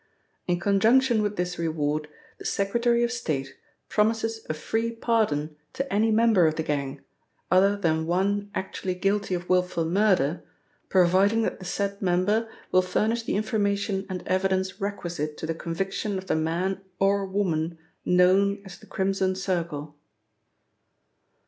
In conjunction with this reward the Secretary of State promises a free pardon to any member of the gang, other than one actually guilty of wilful murder, providing that the said member will furnish the information and evidence requisite to the conviction of the man or woman known as the Crimson Circle.'